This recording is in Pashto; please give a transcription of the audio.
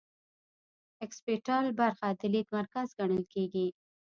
اکسیپیټل برخه د لید مرکز ګڼل کیږي